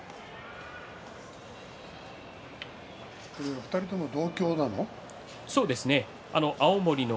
２人ともに同郷なの？